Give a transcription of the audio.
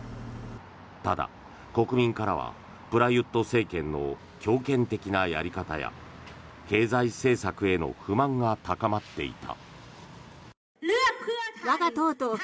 ただ、国民からはプラユット政権の強権的なやり方や経済政策への不満が高まっていた。